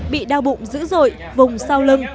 bị đau bụng dữ dội vùng sau lưng